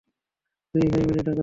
দুই ভাই মিলে টাকা ছাপাবো।